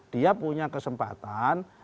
dia punya kesempatan